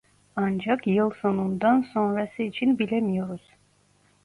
Ancak yıl sonundan sonrası için bilemiyoruz